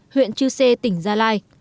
huyện chư sê tỉnh gia lai